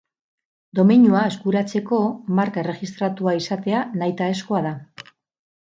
Domeinua eskuratzeko marka erregistratua izatea nahitaezkoa da.